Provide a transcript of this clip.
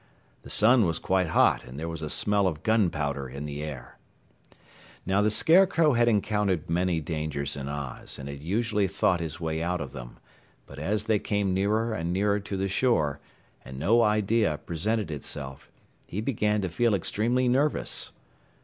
The sun was quite hot, and there was a smell of gunpowder in the air. Now the Scarecrow had encountered many dangers in Oz and had usually thought his way out of them, but as they came nearer and nearer to the shore and no idea presented itself, he began to feel extremely nervous.